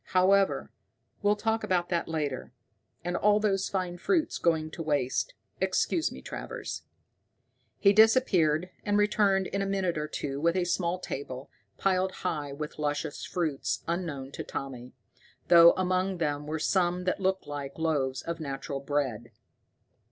However, we'll talk about that later. And all those fine fruits going to waste! Excuse me, Travers." He disappeared, and returned in a minute or two with a small table, piled high with luscious fruits unknown to Tommy, though among them were some that looked like loaves of natural bread.